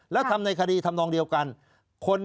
แล้วทำในคดีทำนองเดียวกัน